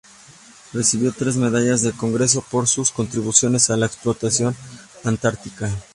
Recibió tres medallas del Congreso por sus contribuciones a la exploración antártica.